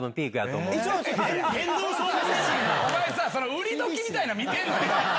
売り時みたいなん見てんの？